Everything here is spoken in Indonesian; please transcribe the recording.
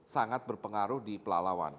sangat berpengaruh di pelalawan